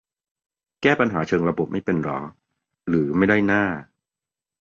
แก้ปัญหาเชิงระบบไม่เป็นเหรอ หรือไม่ได้หน้า